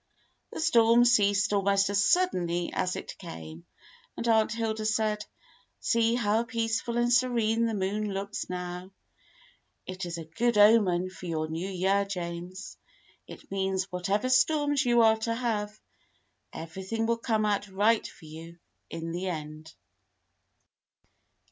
The storm ceased almost as suddenly as it came, and Aunt Hilda said: "See how peaceful and serene the moon looks now ! It is a good omen for your new year, James. It means whatever storms you are to have, everything will come out right for you in the end."